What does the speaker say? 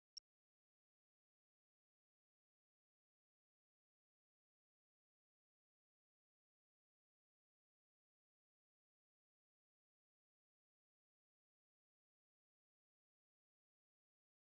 โปรดติดตามตอนต่อไป